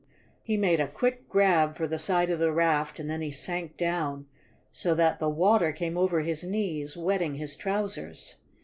He made a quick grab for the side of the raft and then he sank down so that the water came over his knees, wetting his trousers.